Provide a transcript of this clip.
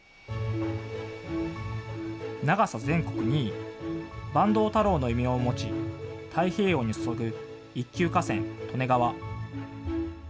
長さ全国２位、坂東太郎の異名を持ち太平洋に注ぐ一級河川、利根川。